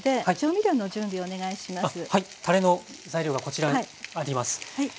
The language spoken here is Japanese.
たれの材料がこちらあります。